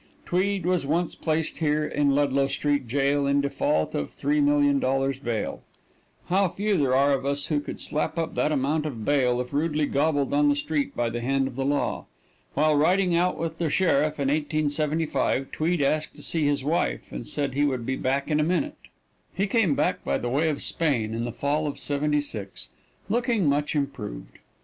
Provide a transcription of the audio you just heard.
Tweed was once placed here in Ludlow Street Jail in default of $3,000,000 bail. How few there are of us who could slap up that amount of bail if rudely gobbled on the street by the hand of the law. While riding out with the sheriff, in 1875, Tweed asked to see his wife, and said he would be back in a minute. He came back by way of Spain, in the fall of '76, looking much improved.